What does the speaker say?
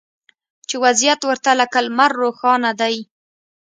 چې وضعیت ورته لکه لمر روښانه دی